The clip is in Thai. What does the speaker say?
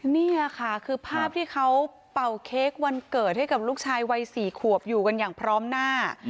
นี่ค่ะคือภาพที่เขาเป่าเค้กวันเกิดให้กับลูกชายวัย๔ขวบอยู่กันอย่างพร้อมหน้า